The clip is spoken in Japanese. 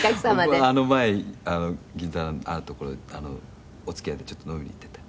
谷村：僕、前、銀座のある所にお付き合いでちょっと飲みに行ってて。